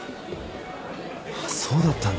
そうだったんだ。